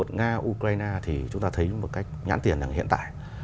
các hãng tàu quốc tế mà có tuyến đến nga ukraine thì chúng ta thấy một cách nhãn tiền là hiện tại